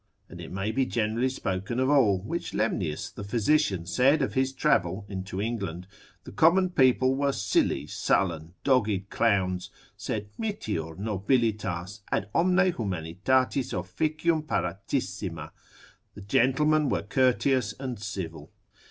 And it may be generally spoken of all, which Lemnius the physician said of his travel into England, the common people were silly, sullen, dogged clowns, sed mitior nobilitas, ad omne humanitatis officium paratissima, the gentlemen were courteous and civil.